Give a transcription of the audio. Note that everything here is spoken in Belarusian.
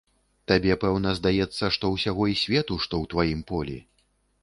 Табе, пэўна, здаецца, што ўсяго і свету, што ў тваім полі.